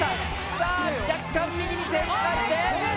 さあ若干右に旋回して。